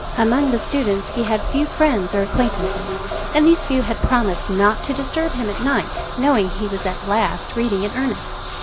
Among the students he had few friends or acquaintances, and these few had promised not to disturb him at night, knowing he was at last reading in earnest.